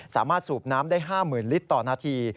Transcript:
สามารถสูบน้ำได้๕๐๐๐ลิตรต่อนาที